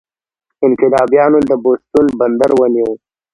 انقلابیانو د بوستون بندر ونیو.